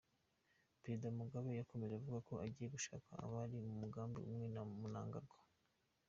Perezida Mugabe yakomeje avuga ko agiye gushaka abari mu mugambi umwe na Mnangagwa.